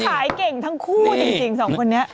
ขายเก่งทั้งคู่จริงสองคนนี้